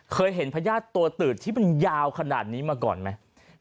เคยเห็นพญาติตัวตืดที่มันยาวขนาดนี้มาก่อนไหม